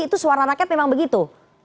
itu suara rakyat memang begitu